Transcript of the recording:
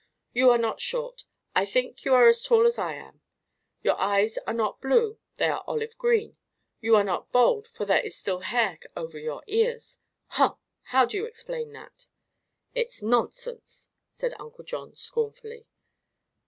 "You are not short; I think you are as tall as I am. Your eyes are not blue; they are olive green. You are not bald, for there is still hair over your ears. Huh! How do you explain that?" "It's nonsense," said Uncle John scornfully.